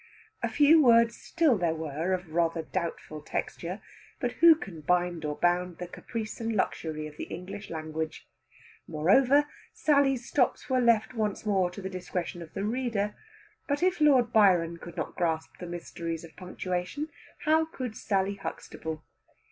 A few words still there were of rather doubtful texture, but who can bind or bound the caprice and luxury of the English language? Moreover, Sally's stops were left once more to the discretion of the reader. But if Lord Byron could not grasp the mysteries of punctuation, how could Sally Huxtable?